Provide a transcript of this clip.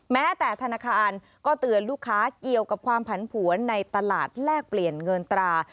แม้แต่ธนาคารก็เตือนลูกค้าเกี่ยวกับความผันผวนในตลาดแลกเปลี่ยนเงินตรา